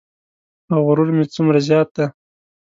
او غرور مې څومره زیات دی.